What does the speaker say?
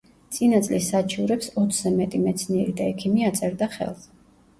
წინა წლის საჩივრებს ოცზე მეტი მეცნიერი და ექიმი აწერდა ხელს.